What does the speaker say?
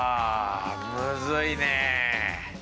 むずいね。